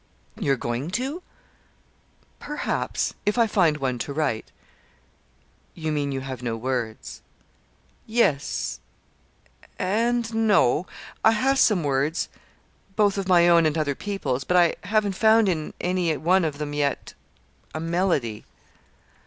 "You're going to?" "Perhaps if I find one to write." "You mean you have no words?" "Yes and no. I have some words, both of my own and other people's; but I haven't found in any one of them, yet a melody."